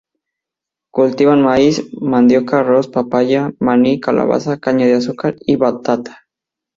Cultivan maíz, mandioca, arroz, papaya, maní, calabaza, caña de azúcar y batata.